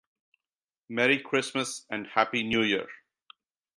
Merry Christmas and Happy New Year!